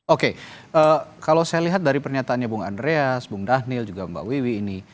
oke kalau saya lihat dari pernyataannya bung andreas bung dhanil juga mbak wiwi ini